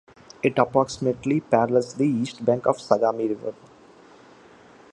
It approximately parallels the east bank of the Sagami River.